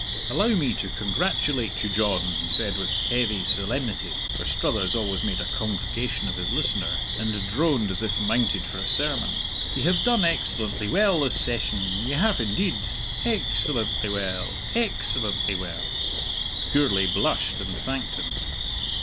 "Allow me to congratulate you, John," he said, with heavy solemnity; for Struthers always made a congregation of his listener, and droned as if mounted for a sermon. "Ye have done excellently well this session; ye have indeed. Ex cellently well ex cellently well!" Gourlay blushed and thanked him.